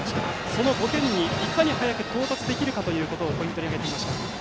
その５点に、いかに早く到達できるかをポイントに挙げていました。